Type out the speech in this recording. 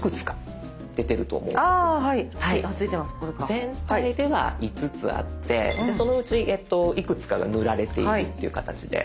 全体では５つあってそのうちいくつかが塗られているっていう形で。